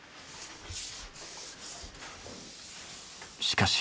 しかし。